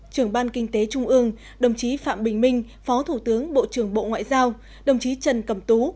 trưởng ban kinh tế trung ương đồng chí phạm bình minh phó thủ tướng bộ trưởng bộ ngoại giao đồng chí trần cẩm tú